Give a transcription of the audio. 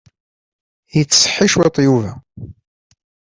Yettseḥi cwiṭ Yuba.